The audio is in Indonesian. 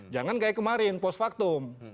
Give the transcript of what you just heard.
jangan kayak kemarin post factum